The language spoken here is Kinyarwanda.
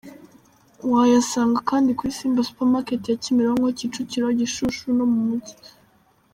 Wayasanga kandi kuri Simba Supermarket ya Kimironko, Kicukiro, Gishushu no mu mujyi.